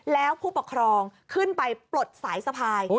แล้วผู้ปกครองขึ้นไปปลดสายสะพาย